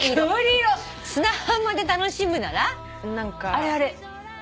あれあれ。